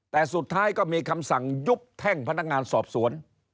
แต่สุดท้ายก็มีคำสั่งยุบแท่งพนักงานสอบสวน